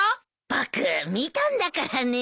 僕見たんだからね。